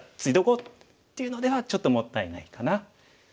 こうっていうのではちょっともったいないかな。